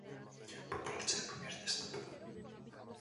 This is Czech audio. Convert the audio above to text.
Populace je poměrně stabilní.